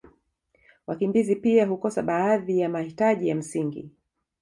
wakimbizi pia hukosa baadhi ya nahitaji ya msingi